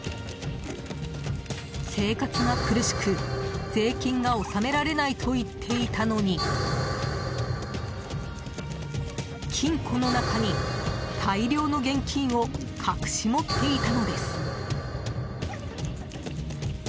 生活が苦しく、税金が納められないと言っていたのに金庫の中に、大量の現金を隠し持っていたのです。